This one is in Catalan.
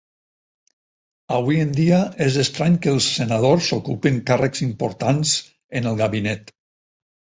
Avui en dia, és estrany que els senadors ocupin càrrecs importants en el gabinet.